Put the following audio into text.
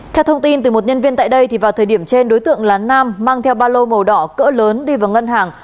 theo thông tin từ một nhân viên tại đây vào thời điểm trên đối tượng là nam mang theo ba lô màu đỏ cỡ lớn đi vào ngân hàng